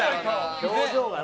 表情がな。